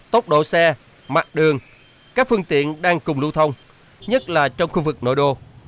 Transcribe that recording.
tốc độ xe mặt đường các phương tiện đang cùng lưu thông nhất là trong khu vực nội đô